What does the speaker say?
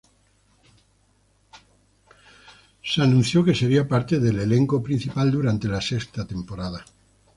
Se anunció que sería parte del elenco principal durante la sexta temporada.